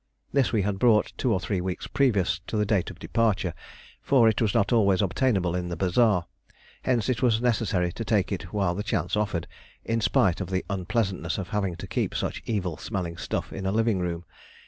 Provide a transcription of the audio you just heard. This we had bought two or three weeks previous to the date of departure, for it was not always obtainable in the bazaar. Hence it was necessary to take it while the chance offered, in spite of the unpleasantness of having to keep such evil smelling stuff in a living room.